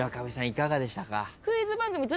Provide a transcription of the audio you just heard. いかがでしたか？